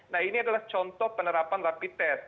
nah ini adalah contoh penerapannya